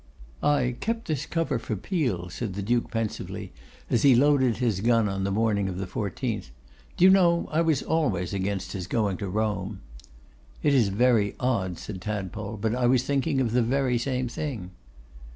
'I kept this cover for Peel,' said the Duke pensively, as he loaded his gun on the morning of the 14th. 'Do you know, I was always against his going to Rome.' 'It is very odd,' said Tadpole, 'but I was thinking of the very same thing.